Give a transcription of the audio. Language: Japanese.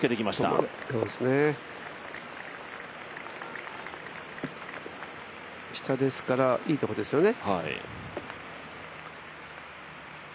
止まれ下ですから、いいところですよね。